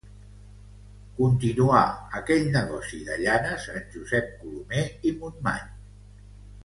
Continuà aquell negoci de llanes en Josep Colomer i Montmany.